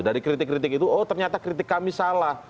dari kritik kritik itu oh ternyata kritik kami salah